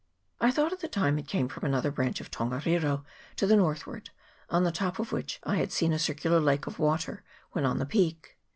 I thought at the time it came from another branch of Tongariro, to the northward, on the top of which I had seen a circular lake of water when on the peak.